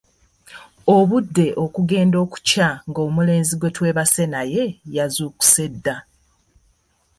Obudde okugenda okukya nga omulenzi gwetwebase naye yazuukuse dda.